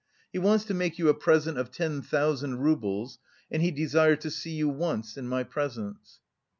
"He wants to make you a present of ten thousand roubles and he desires to see you once in my presence."